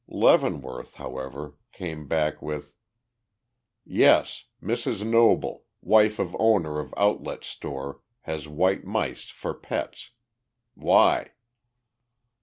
Leavenworth, however, came back with: Yes, Mrs. Noble, wife of owner of Outlet Store, has white mice for pets. Why?